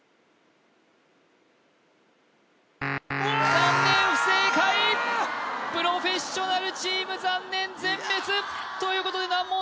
残念不正解プロフェッショナルチーム残念全滅ということで難問